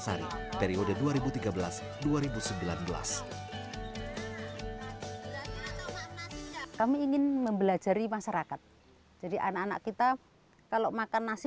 sari periode dua ribu tiga belas dua ribu sembilan belas kami ingin mempelajari masyarakat jadi anak anak kita kalau makan nasi